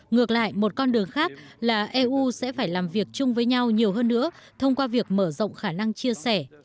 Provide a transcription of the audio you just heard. ngược lại một con đường khác là eu sẽ phải làm việc chung với nhau nhiều hơn nữa thông qua việc mở rộng khả năng chia sẻ